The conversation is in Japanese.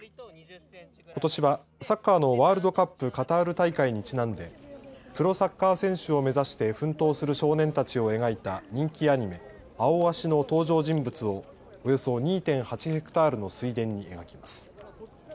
ことしはサッカーのワールドカップカタール大会にちなんでプロサッカー選手を目指して奮闘する少年たちを描いた人気アニメ、アオアシの登場人物をおよそ２．８ヘクタールの水田に描きます。